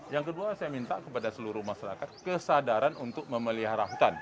yang kedua saya minta kepada seluruh masyarakat kesadaran untuk memelihara hutan